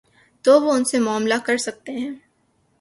تو وہ ان سے معاملہ کر سکتے ہیں۔